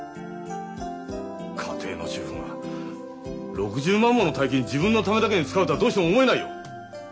家庭の主婦が６０万もの大金自分のためだけに使うとはどうしても思えないよ。